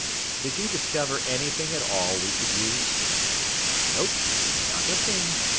"Did you discover anything at all we could use?" "Nope. Not a thing.